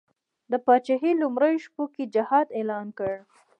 د پاچهي لومړیو شپو کې جهاد اعلان کړ.